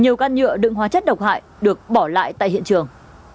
nhiều can nhựa đựng hóa chất độc hại được bỏ lại tại hiện trường